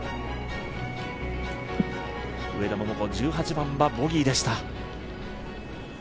上田桃子、１８番はボギーでした。